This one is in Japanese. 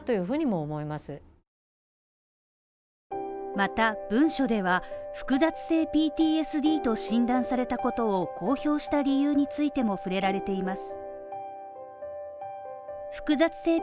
また文書では、複雑性ＰＴＳＤと診断されたことを公表した理由についても触れられています。